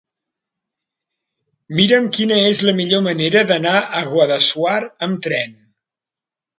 Mira'm quina és la millor manera d'anar a Guadassuar amb tren.